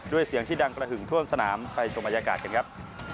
ด้วยเสียงที่ดังกระหึงทวนสนามไปสมัยากาศกันครับ